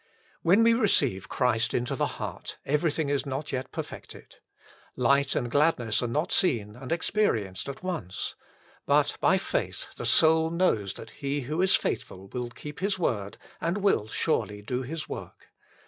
When we receive Christ into the heart everything is not yet perfected : light and gladness are not seen and experienced at once ; but by faith the soul knows that He who is faithful will keep His word and will surely do His work.